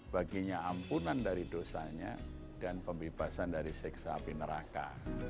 baginya ampunan dari dosanya dan pembebasan dari seksa api neraka